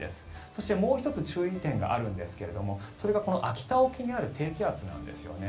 そして、もう１つ注意点があるんですがそれがこの秋田沖にある低気圧なんですよね。